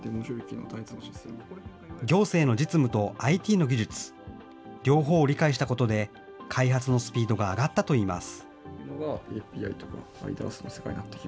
行政の実務とＩＴの技術、両方を理解したことで、開発のスピードが上がったといいます。